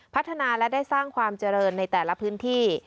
พัฒนาและได้สร้างความเจริญในแต่ละพื้นที่